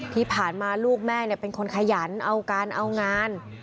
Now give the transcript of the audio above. ที่ผ่านมาลูกแม่เป็นคนขยันเอาการเอางาน